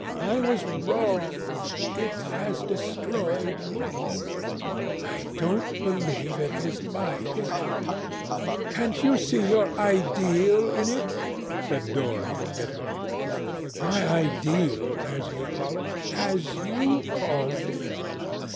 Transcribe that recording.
"I was wrong. It has destroyed me." "I don't believe it is my picture." "Can't you see your ideal in it?" said Dorian bitterly. "My ideal, as you call it..." "As you called it."